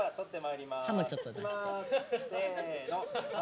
歯もちょっと出して。